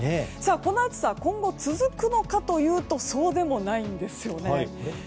この暑さ、今後続くのかというとそうでもないんですよね。